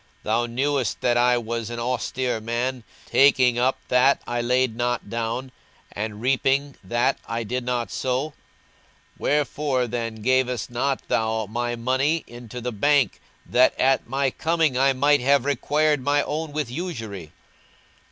Thou knewest that I was an austere man, taking up that I laid not down, and reaping that I did not sow: 42:019:023 Wherefore then gavest not thou my money into the bank, that at my coming I might have required mine own with usury?